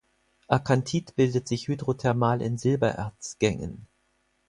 Akanthit bildet sich hydrothermal in Silbererz-Gängen.